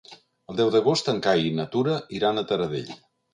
El deu d'agost en Cai i na Tura iran a Taradell.